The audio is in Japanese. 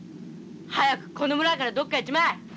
早くこの村からどっかへ行っちまえ！